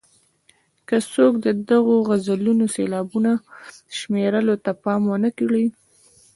که څوک د دغو غزلونو سېلابونو شمېرلو ته پام ونه کړي.